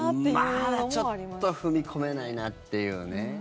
まだ、ちょっと踏み込めないなっていうね。